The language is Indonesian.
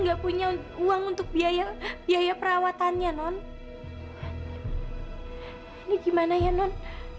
enggak punya uang untuk biaya biaya perawatannya non ini gimana ya non